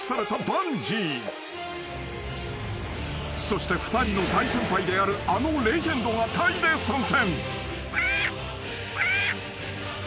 ［そして２人の大先輩であるあのレジェンドがタイで参戦］